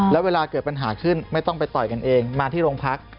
แล้วเวลาเกิดปัญหาขึ้นไม่ต้องไปต่อยกันเองมาที่โรงพัก